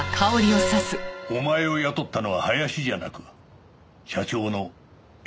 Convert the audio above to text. お前を雇ったのは林じゃなく社長の絵